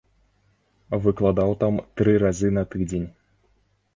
Выкладаў там тры разы на тыдзень.